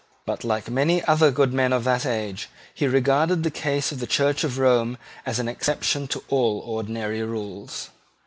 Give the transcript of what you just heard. But, like many other good men of that age, he regarded the case of the Church of Rome as an exception to all ordinary rules.